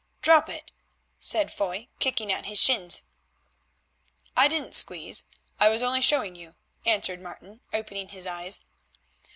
"Drop it," said Foy, kicking at his shins. "I didn't squeeze; I was only showing you," answered Martin, opening his eyes.